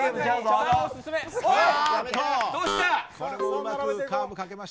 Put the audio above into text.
どうした？